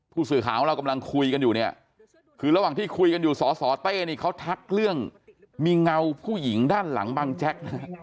ผู้สื่อข่าวของเรากำลังคุยกันอยู่เนี่ยคือระหว่างที่คุยกันอยู่สสเต้นี่เขาทักเรื่องมีเงาผู้หญิงด้านหลังบังแจ็คนะฮะ